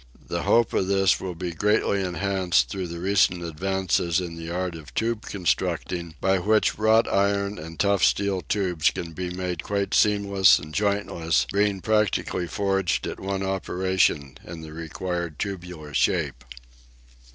The hope of this will be greatly enhanced through the recent advances in the art of tube constructing by which wrought iron and tough steel tubes can be made quite seamless and jointless, being practically forged at one operation in the required tubular shape.